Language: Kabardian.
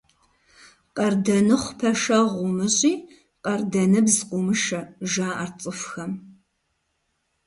«Къардэныхъу пэшэгъу умыщӀи, къардэныбз къыумышэ», – жаӀэрт цӀыхухэм.